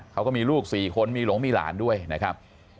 เขาก็มีลูก๔คนมีหลงมีหลานด้วยนะครับ